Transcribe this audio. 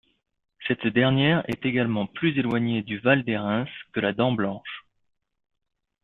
Cette dernière est également plus éloignée du val d'Hérens que la dent Blanche.